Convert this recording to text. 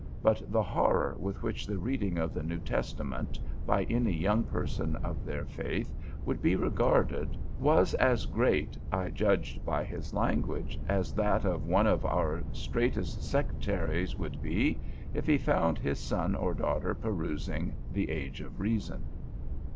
But the horror with which the reading of the New Testament by any young person of their faith would be regarded was as great, I judged by his language, as that of one of our straitest sectaries would be, if he found his son or daughter perusing the "Age of Reason."